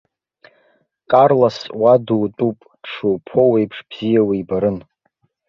Карлос уа дутәуп, дшуԥоу еиԥш бзиа уибарын.